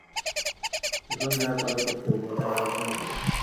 এখন, যা করা কর্তব্য তাই আলোচনা করো।